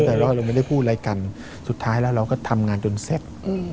แต่ว่าเราไม่ได้พูดอะไรกันสุดท้ายแล้วเราก็ทำงานจนเสร็จ